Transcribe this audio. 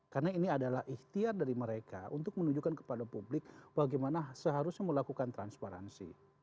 karena ini adalah ikhtiar dari mereka untuk menunjukkan kepada publik bagaimana seharusnya melakukan transparansi